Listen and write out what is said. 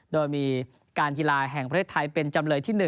โดยมีการกีฬาแห่งประเทศไทยเป็นจำเลยที่๑